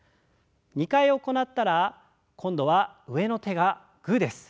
２回行ったら今度は上の手がグーです。